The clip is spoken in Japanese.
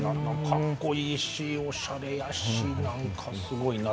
かっこいいしおしゃれやし何かすごいな。